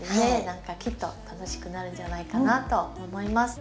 何かきっと楽しくなるんじゃないかなと思います。